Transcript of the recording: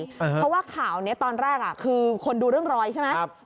เพราะว่าข่าวนี้ตอนแรกคือคนดูเรื่องรอยใช่ไหม